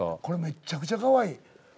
これめちゃくちゃかわいい。